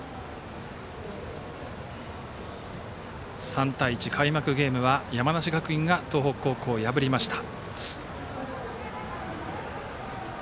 ３対１、開幕ゲームは山梨学院が東北高校を破りました。